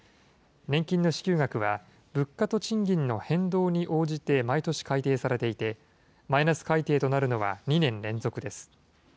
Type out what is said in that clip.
年金の支給額は、物価と賃金の変動に応じて毎年改定されていて、マイナス改定となるのは２年連続です。